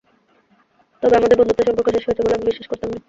তবে আমাদের বন্ধুত্বের সম্পর্ক শেষ হয়েছে বলে আমি বিশ্বাস করতাম না।